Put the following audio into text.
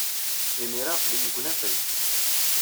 Imir-a aql-iyi deg unafag.